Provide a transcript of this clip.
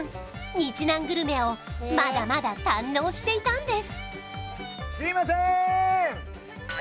日南グルメをまだまだ堪能していたんです